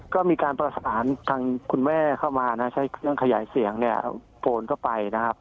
ก็มีการประสานทางคุณแม่เข้ามานะใช้เครื่องขยายเสียงเนี่ยโกนเข้าไปนะครับ